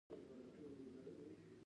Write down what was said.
د پغمان طاق ظفر ولې جوړ شو؟